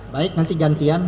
baik nanti gantian